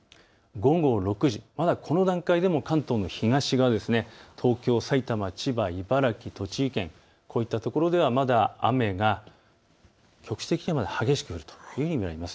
午後６時、まだこの段階でも関東の東側、東京、埼玉、千葉、茨城、栃木県、こういったところではまだ雨が局地的に激しく降るというふうになります。